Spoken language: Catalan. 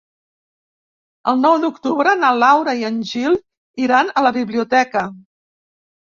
El nou d'octubre na Laura i en Gil iran a la biblioteca.